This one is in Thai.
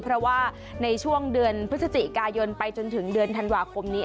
เพราะว่าในช่วงเดือนพฤศจิกายนไปจนถึงเดือนธันวาคมนี้